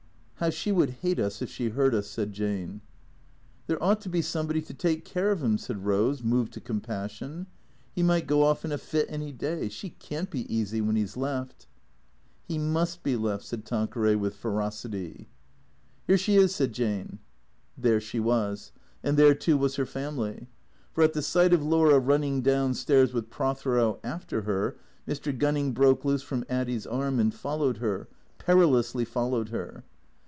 " How she would hate us if she heard us," said Jane. " There ought to be somebody to take care of 'im," said Pose, moved to compassion. " 'E might go off in a fit any day. She can't be easy when 'e 's left." " He must be left," said Tanqueray with ferocity. " Here she is," said Jane. There she was; and there, too, was her family. For, at the sight of Laura running down stairs with Prothero after her, Mr. Gunning broke loose from Addy's arm and followed her, peril ously followed her.